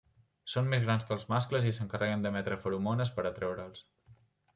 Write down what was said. Són més grans que els mascles i s'encarreguen d'emetre feromones per atreure'ls.